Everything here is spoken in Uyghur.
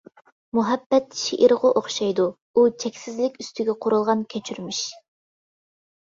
مۇھەببەت شېئىرغا ئوخشايدۇ، ئۇ چەكسىزلىك ئۈستىگە قۇرۇلغان كەچۈرمىش.